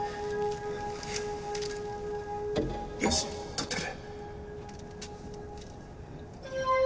よし撮ってくれ。